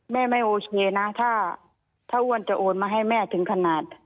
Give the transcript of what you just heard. แม่ไม่โอเคนะถ้าอ้วนจะโอนมาให้แม่ถึงขนาด